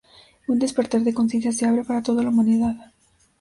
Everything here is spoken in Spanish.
Un despertar de conciencia se abre para toda la humanidad.